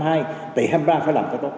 tại hai mươi ba phải làm cho tốt